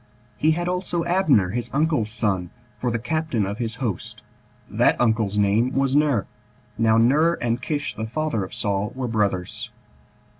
He had also Abner, his uncle's son, for the captain of his host: that uncle's name was Ner. Now Ner, and Kish the father of Saul, were brothers.